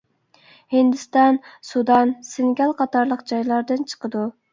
ھىندىستان، سۇدان، سىنگال قاتارلىق جايلاردىن چىقىدۇ.